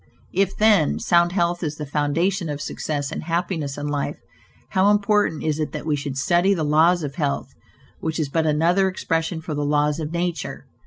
If, then, sound health is the foundation of success and happiness in life, how important it is that we should study the laws of health, which is but another expression for the laws of nature!